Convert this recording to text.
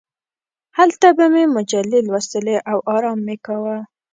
هلته به مې مجلې لوستلې او ارام مې کاوه.